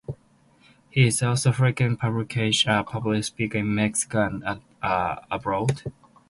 He is also a frequent public speaker in Mexico and abroad.